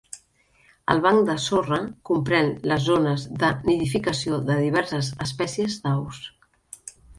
El banc de sorra comprèn les zones de nidificació de diverses espècies d'aus.